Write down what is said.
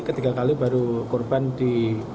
ketiga kali baru korban di